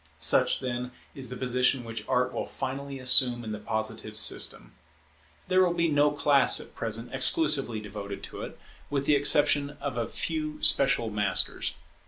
Such, then, is the position which Art will finally assume in the Positive system. There will be no class at present, exclusively devoted to it, with the exception of a few special masters.